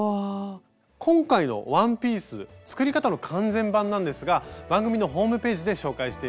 今回のワンピース作り方の完全版なんですが番組のホームページで紹介しています。